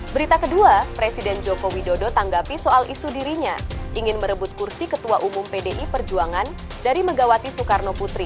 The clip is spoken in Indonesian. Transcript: berita kedua presiden joko widodo tanggapi soal isu dirinya ingin merebut kursi ketua umum pdi perjuangan dari megawati soekarno putri